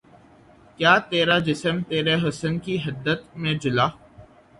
کیا ترا جسم ترے حسن کی حدت میں جلا